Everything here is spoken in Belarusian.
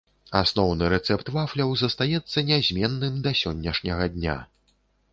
Асноўны рэцэпт вафляў застаецца нязменным да сённяшняга дня.